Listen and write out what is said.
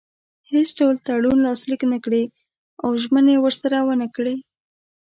هیڅ ډول تړون لاسلیک نه کړي او ژمنې ورسره ونه کړي.